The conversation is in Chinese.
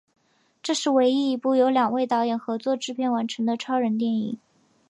这是唯一一部由两位导演合作制片完成的超人电影。